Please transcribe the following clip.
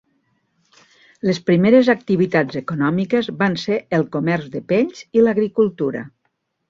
Les primeres activitats econòmiques van ser el comerç de pells i l'agricultura.